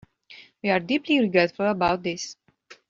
We are deeply regretful about this.